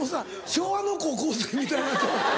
昭和の高校生みたいな。